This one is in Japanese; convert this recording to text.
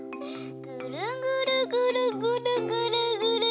ぐるぐるぐるぐるぐるぐるぐるぐる。